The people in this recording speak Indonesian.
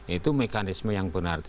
itu mekanisme yang benar